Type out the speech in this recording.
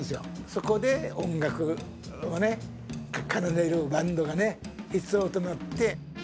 そこで音楽を奏でるバンドがね、必要となって。